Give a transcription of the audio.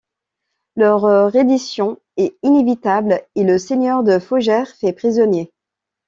Leur reddition, est inévitable et le seigneur de Fougères fait prisonnier.